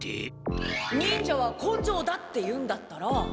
「忍者は根性だ」っていうんだったら。